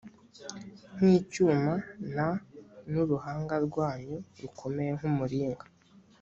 nk icyuma n n uruhanga rwanyu rukomeye nk umuringa